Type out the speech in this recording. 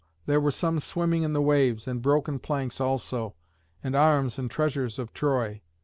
there were some swimming in the waves, and broken planks also, and arms and treasures of Troy.